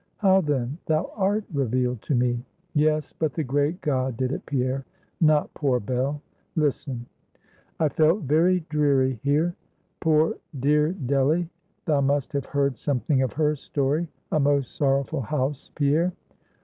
"How then? thou art revealed to me." "Yes; but the great God did it, Pierre not poor Bell. Listen. "I felt very dreary here; poor, dear Delly thou must have heard something of her story a most sorrowful house, Pierre.